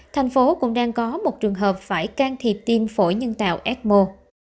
thành phố cũng đang có một trường hợp phải can thiệp tim phổi nhân tạo ecmo